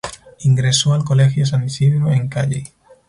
Ingresó al colegio San Isidro, en Cayey.